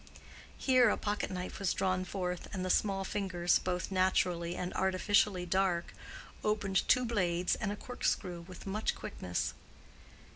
Here a pocket knife was drawn forth, and the small fingers, both naturally and artificially dark, opened two blades and a cork screw with much quickness.